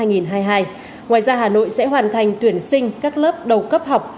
ngoài ra hà nội sẽ hoàn thành tuyển sinh các lớp đầu cấp học